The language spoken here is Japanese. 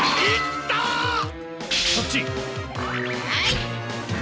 はい！